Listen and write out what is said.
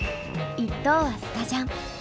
１等はスカジャン。